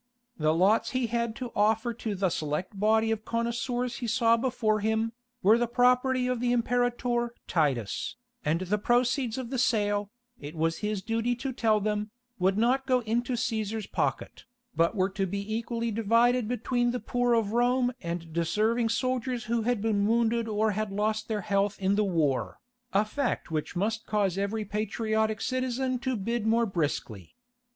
The lots he had to offer to the select body of connoisseurs he saw before him, were the property of the Imperator Titus, and the proceeds of the sale, it was his duty to tell them, would not go into Cæsar's pocket, but were to be equally divided between the poor of Rome and deserving soldiers who had been wounded or had lost their health in the war, a fact which must cause every patriotic citizen to bid more briskly.